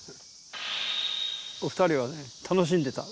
お二人は楽しんでた。